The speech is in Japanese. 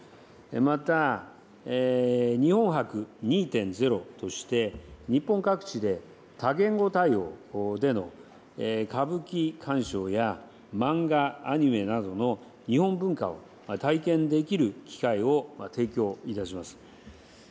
また、日本博２．０として、日本各地で多言語対応での歌舞伎鑑賞や漫画、アニメなどの日本文化を体験できる機会を提供いたします。